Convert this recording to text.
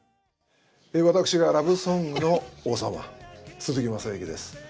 私がラブソングの王様鈴木雅之です。